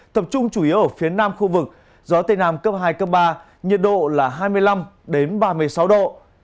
tập trung chủ yếu ở phía nam khu vực gió tây nam cấp hai cấp ba nhiệt độ là hai mươi năm ba mươi sáu độ